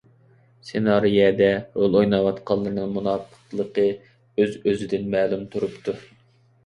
سېنارىيەدە رول ئويناۋاتقانلارنىڭ مۇناپىقلىقى ئۆز ئۆزىدىن مەلۇم تۇرۇپتۇ.